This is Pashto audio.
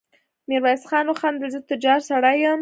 ميرويس خان وخندل: زه تجار سړی يم.